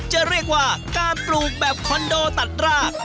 จะเรียกว่าการปลูกแบบคอนโดตัดราก